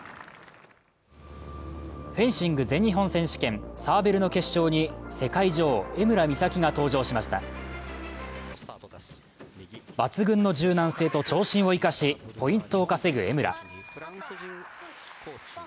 フェンシング全日本選手権サーベルの決勝に世界女王・江村美咲が登場しました抜群の柔軟性と長身を生かし、ポイントを稼ぐ江村。